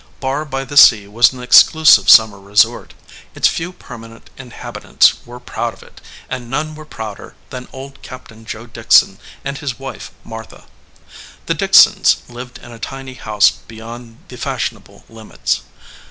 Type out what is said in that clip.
Barr by the Sea was an exclusive summer re sort. Its few permanent inhabitants were proud of it, and none were prouder than old Captain Joe Dickson and his wife, Martha. The Dicksons lived in a tiny house beyond the fashionable limits.